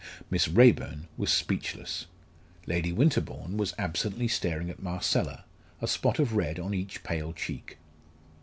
Miss Raeburn was speechless. Lady Winterbourne was absently staring at Marcella, a spot of red on each pale cheek.